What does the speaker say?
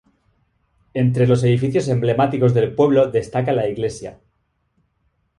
Entre los edificios emblemáticos del pueblo destaca la Iglesia.